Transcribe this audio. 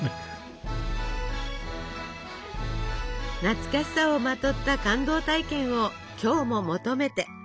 懐かしさをまとった感動体験を今日も求めて。